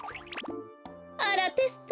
あらテスト？